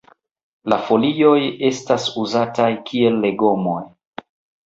La folioj estas uzataj kiel legomoj.